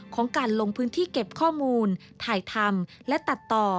ของการลงพื้นที่เก็บข้อมูลถ่ายทำและตัดต่อ